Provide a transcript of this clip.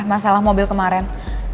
masalah mobil kemaren